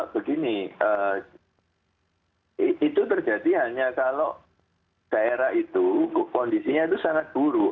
begini itu terjadi hanya kalau daerah itu kondisinya itu sangat buruk